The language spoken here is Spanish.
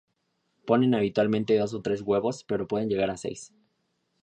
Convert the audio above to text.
Ponen habitualmente dos o tres huevos, pero pueden llegar a seis.